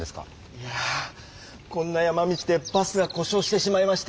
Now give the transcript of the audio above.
いやこんな山道でバスがこしょうしてしまいまして。